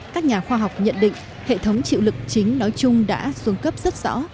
các nhà khoa học nhận định hệ thống chịu lực chính nói chung đã xuống cấp rất rõ